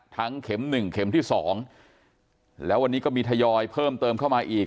ทั้งเข็ม๑เข็มที่๒แล้ววันนี้ก็มีทยอยเพิ่มเติมเข้ามาอีก